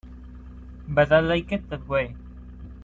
But I like it that way.